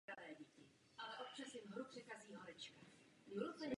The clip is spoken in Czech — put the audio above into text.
Pět dalších planet je téměř potvrzeno jako kandidáti.